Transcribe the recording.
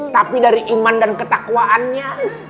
tapi dari iman dan ketakwaannya